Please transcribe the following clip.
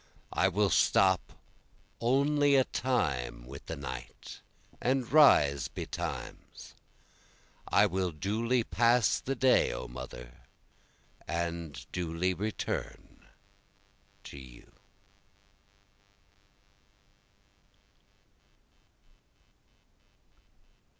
I will stop only a time with the night, and rise betimes, I will duly pass the day O my mother, and duly return to you.